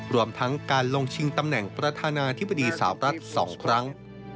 รวมทั้งการลงชิงตำแหน่งประธานาธิบดีสาวรัฐ๒ครั้ง